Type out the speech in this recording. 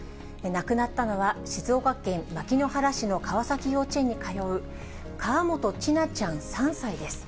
亡くなったのは、静岡県牧之原市の川崎幼稚園に通う河本千奈ちゃん３歳です。